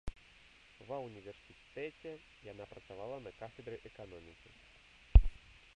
Ва ўніверсітэце яна працавала на кафедры эканомікі.